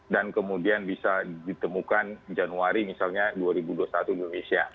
dan kemudian bisa ditemukan januari misalnya dua ribu dua puluh satu di indonesia